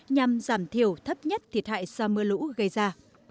nhằm giảm thiểu thấp nhất thiệt hại do mưa lũ gây ra